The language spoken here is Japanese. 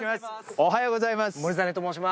おはようございます